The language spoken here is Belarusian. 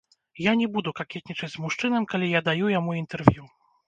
Я не буду какетнічаць з мужчынам, калі я даю яму інтэрв'ю.